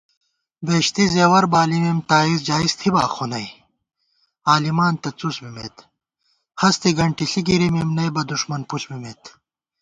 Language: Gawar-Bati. بہشتی زېوَر بالِمېم تائزجائز تھِباخو نئ عالِمان تہ څُس بِمېت * ہستےگنٹےݪی گِرِمېم نئبہ دُݭمن پُݪ بِمېت